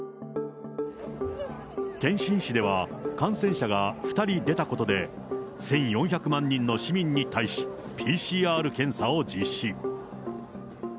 天津市では感染者が２人出たことで、１４００万人の市民に対し、ＰＣＲ検査を実施。